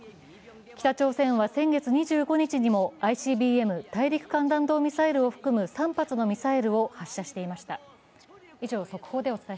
北朝鮮は先月２５日にもＩＣＢＭ＝大陸間弾道ミサイルを含む３発のミサイルを発射していました